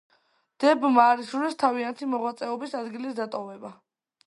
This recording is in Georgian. დებმა არ ისურვეს თავიანთი მოღვაწეობის ადგილის დატოვება.